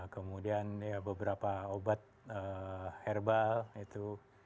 kemudian beberapa obat herbal itu